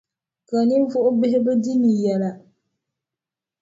Ka ninvuɣʼ bihi be di ni yɛla.